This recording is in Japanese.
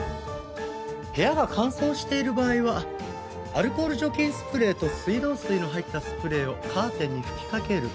部屋が乾燥している場合はアルコール除菌スプレーと水道水の入ったスプレーをカーテンに吹きかける。